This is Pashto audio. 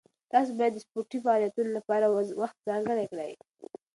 تاسو باید د سپورټي فعالیتونو لپاره وخت ځانګړی کړئ.